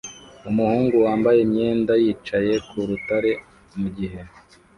Umuhungu wambaye imyenda yicaye ku rutare mugihe